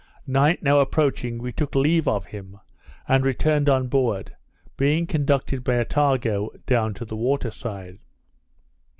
Night now approaching, we took leave of him, and returned on board, being conducted by Attago down to the water side.